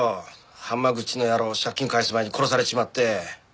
濱口の野郎借金返す前に殺されちまって。